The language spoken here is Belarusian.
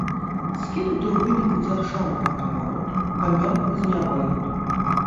Скінуты ў выніку дзяржаўнага перавароту, памёр у зняволенні.